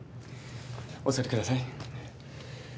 お座りください。